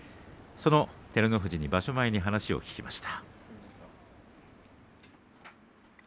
その照ノ富士に場所前に話を聞きました。